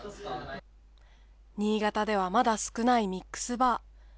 新潟ではまだ少ないミックスバー。